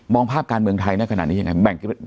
องภาพการเมืองไทยในขณะนี้ยังไง